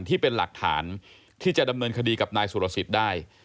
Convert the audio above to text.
ที่เป็นหลักฐานที่จะดำเนินคดีกับนายสุรสิทธิ์ได้